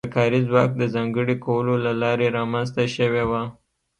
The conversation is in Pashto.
د کاري ځواک د ځانګړي کولو له لارې رامنځته شوې وه.